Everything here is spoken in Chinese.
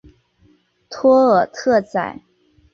托尔特宰。